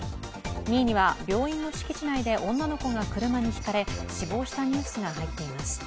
２位には病院の敷地内で女の子が車にひかれ死亡したニュースが入っています。